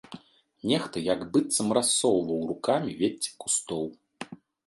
Нехта як быццам рассоўваў рукамі вецце кустоў.